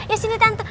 ya sini tante